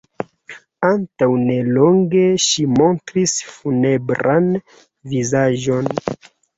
Antaŭ ne longe ŝi montris funebran vizaĝon.